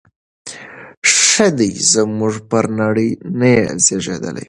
ښه دی زموږ پر نړۍ نه یې زیږیدلی